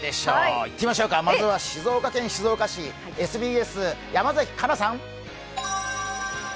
まずは静岡県静岡市ＳＢＳ・山崎加奈さん。